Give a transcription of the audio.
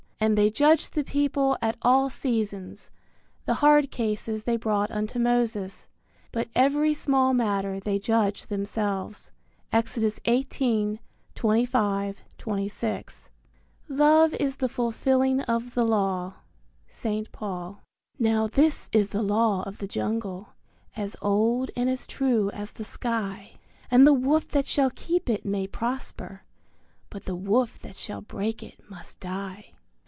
And they judged the people at all seasons: the hard cases they brought unto Moses, but every small matter they judged themselves Ex. 18:25, 26. Love is the fulfilling of the law. St. Paul. Now this is the Law of the Jungle as old and as true as the sky; And the Wolf that shall keep it may prosper, but the Wolf that shall break it must die.